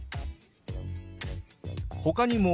ほかにも。